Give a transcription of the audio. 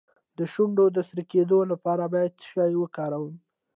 د شونډو د سره کیدو لپاره باید څه شی وکاروم؟